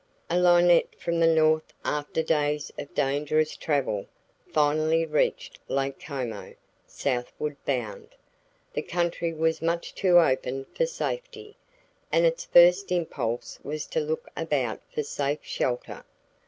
A linnet from the North after days of dangerous travel finally reached Lake Como, southward bound. The country was much too open for safety, and its first impulse was to look about for safe shelter.